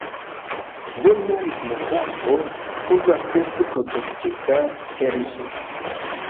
Bona lignokarbo povas esti produktita el ĝi.